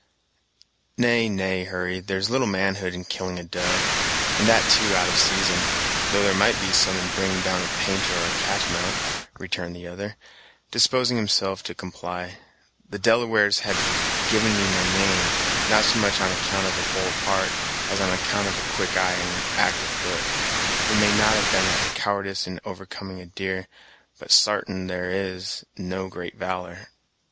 "Nay, nay, Hurry, there's little manhood in killing a doe, and that too out of season; though there might be some in bringing down a painter or a catamount," returned the other, disposing himself to comply. "The Delawares have given me my name, not so much on account of a bold heart, as on account of a quick eye, and an actyve foot. There may not be any cowardyce in overcoming a deer, but sartain it is, there's no great valor."